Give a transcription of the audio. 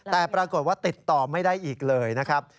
แต่ปรากฏว่าติดต่อไม่ได้อีกเลยนะครับ